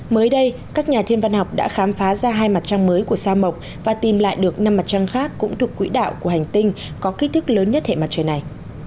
mới đây các nhà thiên văn học đã khám phá ra hai mặt trăng mới của sa mộc và tìm lại được năm mặt trăng khác cũng thuộc quỹ đạo của hành tinh có kích thước lớn nhất hệ mặt trời này